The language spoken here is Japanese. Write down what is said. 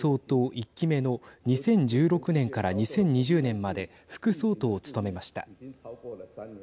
１期目の２０１６年から２０２０年まで副総統を務めました。